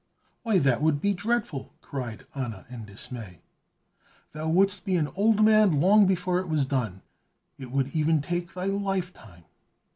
"Why, that would be dreadful!" cried Anna in dismay. "Thou wouldst be an old man long before it was done; it would even take thy life time!"